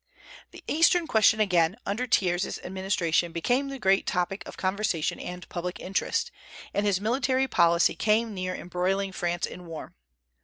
The Eastern question again, under Thiers' administration, became the great topic of conversation and public interest, and his military policy came near embroiling France in war.